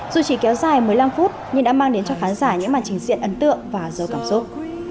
dù chỉ kéo dài một mươi năm phút nhưng đã mang đến cho khán giả những màn trình diện ấn tượng và giàu cảm xúc